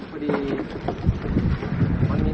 พรเม็ดมานี่